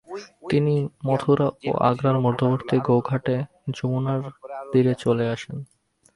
তিনি মথুরা ও আগ্রার মধ্যবর্তী গৌঘাটে যমুনার তীরে চলে আসেন।